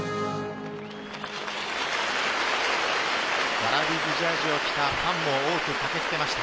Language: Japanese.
ワラビーズジャージーを着たファンも多くかけつけました。